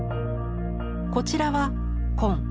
こちらは「坤」。